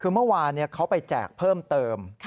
คือเมื่อวานเขาไปแจกเพิ่มเติม